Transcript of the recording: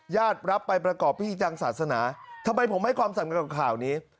รับไปประกอบพิธีทางศาสนาทำไมผมให้ความสำคัญกับข่าวนี้